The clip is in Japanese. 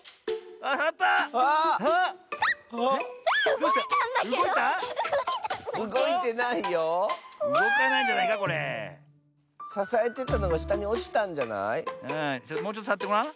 ああもうちょっとさわってごらん。